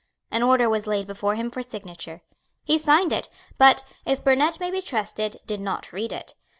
An order was laid before him for signature. He signed it, but, if Burnet may be trusted, did not read it.